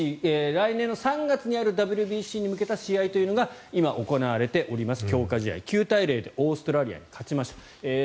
来年の３月にあるＷＢＣに向けた試合というのが今、行われております強化試合９対０でオーストラリアに勝ちました。